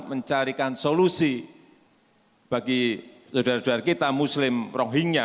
mencarikan solusi bagi saudara saudara kita muslim rohingya